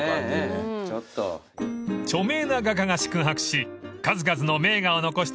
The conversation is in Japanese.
［著名な画家が宿泊し数々の名画を残した